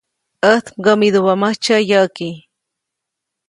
ʼÄjt mkämidubäʼmäjtsyä yäʼki.